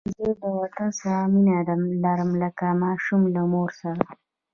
زه د وطن سره مینه لرم لکه ماشوم له مور سره